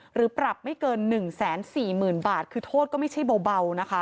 หรือปรับไม่เกิน๑๔๐๐๐บาทคือโทษก็ไม่ใช่เบานะคะ